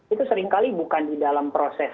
itu seringkali bukan di dalam proses